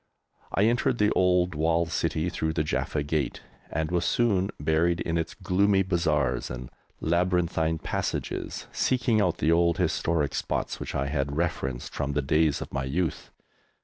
I entered the old walled city through the Jaffa Gate, and was soon buried in its gloomy bazaars and labyrinthine passages, seeking out the old historic spots which I had reverenced from the days of my youth.